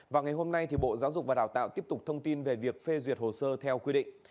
và ngày hôm nay bộ giáo dục và đào tạo tiếp tục thông tin về việc phê duyệt hồ sơ theo quy định